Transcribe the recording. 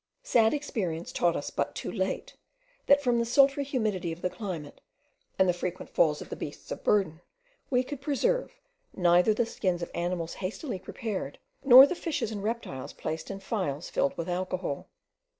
Sad experience taught us but too late, that from the sultry humidity of the climate, and the frequent falls of the beasts of burden, we could preserve neither the skins of animals hastily prepared, nor the fishes and reptiles placed in phials filled with alcohol.